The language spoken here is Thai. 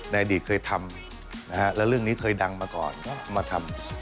ในอดีตเคยทำแล้วเรื่องนี้เคยดังมาก่อนก็มาทำ